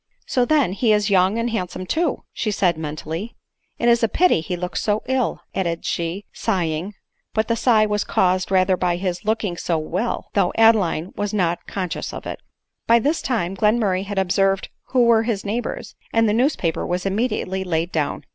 " So, then, he is young and handsome too !" said she mentally ;" it is a pity he looks so ifl," added she, sigh ing; but the sigh was caused rather by his looking so loell — though Adeline was not conscious of it. By this . time Glenmurray had observed who were his neighbors, and the newspaper was immediately laid down.